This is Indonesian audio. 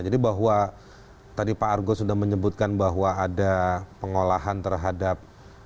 jadi bahwa tadi pak argo sudah menyebutkan bahwa ada pengolahan terhadap